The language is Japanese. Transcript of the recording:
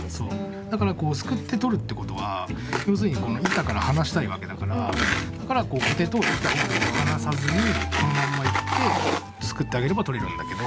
だからすくって取るってことは要するにこの板から離したいわけだからだからコテと板を離さずにこのまんまいってすくってあげれば取れるんだけど。